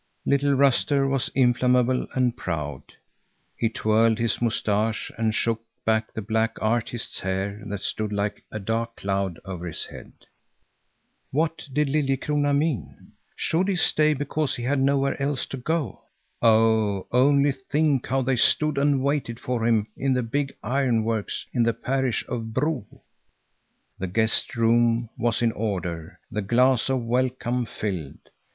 Little Ruster was inflammable and proud. He twirled his moustache and shook back the black artist's hair that stood like a dark cloud over his head. What did Liljekrona mean? Should he stay because he had nowhere else to go? Oh, only think how they stood and waited for him in the big ironworks in the parish of Bro! The guest room was in order, the glass of welcome filled.